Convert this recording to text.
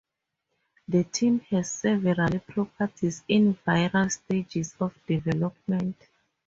The team has several properties in various stages of development.